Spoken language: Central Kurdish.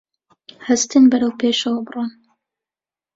هەستن بەرەو پێشەوە بڕۆن